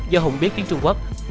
do hùng biết tiếng trung quốc